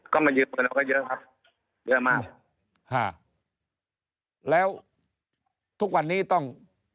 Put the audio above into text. ก็มายืมเงินเราก็เยอะครับเยอะมากฮะแล้วทุกวันนี้ต้อง